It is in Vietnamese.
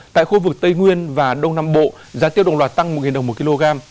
tại khu vực tây nguyên và đông nam bộ giá tiêu đồng loạt tăng một đồng một kg